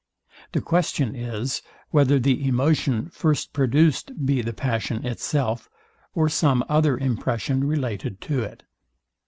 The question is, whether the emotion first produced be the passion itself, or some other impression related to it.